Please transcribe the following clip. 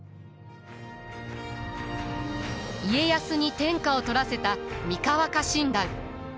家康に天下を取らせた三河家臣団。